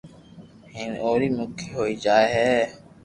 ھين اوري مڪي ھوئي جائي ھي